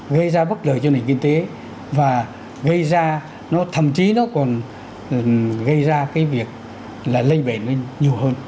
gây ra bất lợi cho nền kinh tế và gây ra nó thậm chí nó còn gây ra cái việc là lây bệnh lên nhiều hơn